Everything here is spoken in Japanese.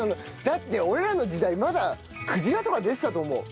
だって俺らの時代まだクジラとか出てたと思う。